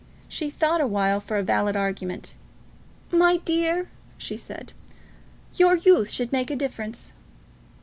She thought awhile for a valid argument. "My dear," she said, "your youth should make a difference."